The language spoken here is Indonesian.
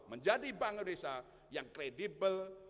menjadi bank indonesia yang kredibel